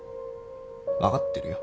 分かってるよ。